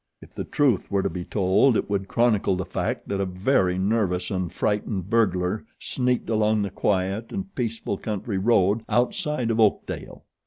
If the truth were to be told it would chronicle the fact that a very nervous and frightened burglar sneaked along the quiet and peaceful country road outside of Oakdale.